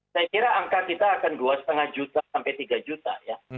saya kira angka kita akan dua lima juta sampai tiga juta ya